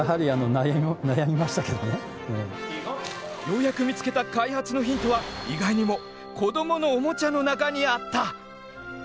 ようやく見つけた開発のヒントは意外にも“子どものオモチャ”の中にあった！